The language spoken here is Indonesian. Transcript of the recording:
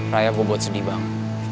raya gue buat sedih bang